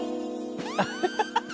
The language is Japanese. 「ハハハハ！」